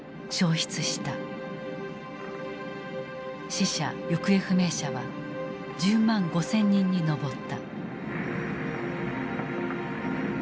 死者・行方不明者は１０万５，０００人に上った。